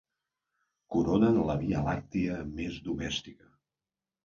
Coronen la Via Làctia més domèstica.